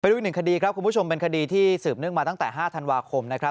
ดูอีกหนึ่งคดีครับคุณผู้ชมเป็นคดีที่สืบเนื่องมาตั้งแต่๕ธันวาคมนะครับ